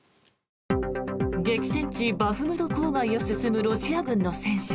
激戦地、バフムト郊外を進むロシア軍の戦車。